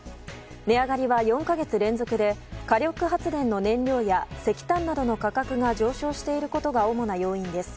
値上がりは４か月連続で火力発電の燃料や石炭などの価格が上昇していることが主な要因です。